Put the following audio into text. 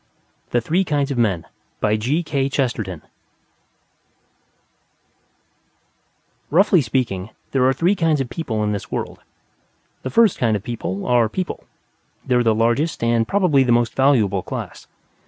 The Three Kinds of Men Roughly speaking, there are three kinds of people in this world. The first kind of people are People; they are the largest and probably the most valuable class.